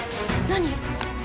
何？